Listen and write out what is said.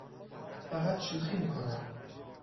فقط شوخی می کنم.